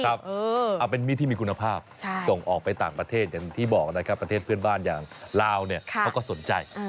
เอาเป็นมีดที่มีคุณภาพส่งออกไปต่างประเทศอย่างที่บอกนะครับประเทศเพื่อนบ้านอย่างลาวเนี่ยเขาก็สนใจ